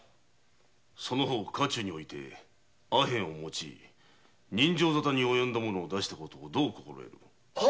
その方家中において阿片を用い刃傷沙汰に及んだことをどう心得る？